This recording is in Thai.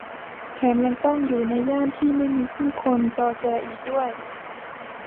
แถมยังต้องอยู่ในย่านที่ไม่มีผู้คนจอแจอีกด้วย